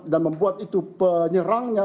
dan membuat itu penyerangnya